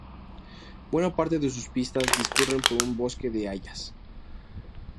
Buena parte de sus pistas discurren por un bosque de hayas.